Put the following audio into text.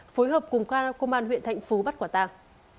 phối hợp cùng công an huyện thạnh phú bắt quả tàng